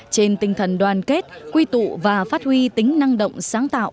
trên tinh thần đoàn kết quy tụ và phát huy tính năng động sáng tạo